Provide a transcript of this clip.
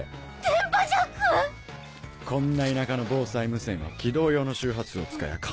電波ジャック⁉こんな田舎の防災無線は起動用の周波数を使やぁ